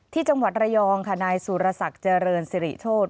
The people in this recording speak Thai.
ที่จังหวัดระยองนายสุรสัตว์เจอเริญสิริโฆษ์